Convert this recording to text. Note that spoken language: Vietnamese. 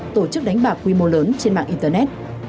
tổ chức đánh bạc quy mô lớn trên mạng internet